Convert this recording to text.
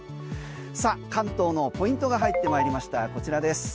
さあ関東のポイントが入ってまいりましたこちらです。